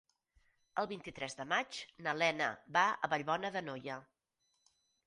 El vint-i-tres de maig na Lena va a Vallbona d'Anoia.